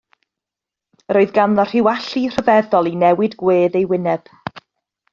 Yr oedd ganddo rhyw allu rhyfeddol i newid gwedd ei wyneb.